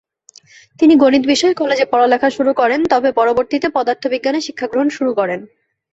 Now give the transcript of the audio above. তিনি গণিত বিষয়ে কলেজে পড়াশোনা শুরু করেন, তবে পরবর্তীতে পদার্থবিজ্ঞানে শিক্ষাগ্রহণ শুরু করেন।